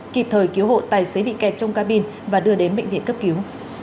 kịp thời cứu hộ tài xế bị kẹt trong cabin và đưa đến bệnh viện cấp cứu